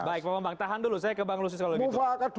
baik bapak bang tahan dulu saya ke bang lusus kalau gitu